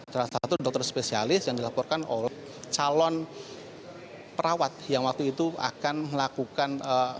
salah satu dokter spesialis yang dilaporkan oleh calon perawat yang waktu itu akan melakukan